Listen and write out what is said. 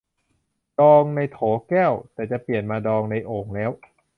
ดองในโถแก้ว แต่จะเปลี่ยนมาดองในโอ่งแล้ว